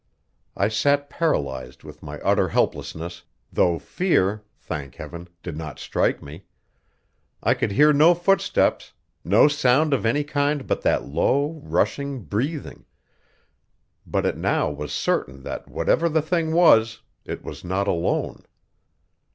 I sat paralyzed with my utter helplessness, though fear, thank Heaven, did not strike me! I could hear no footstep; no sound of any kind but that low, rushing breathing; but it now was certain that whatever the thing was, it was not alone.